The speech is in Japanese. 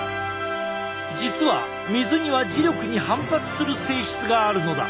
実は水には磁力に反発する性質があるのだ。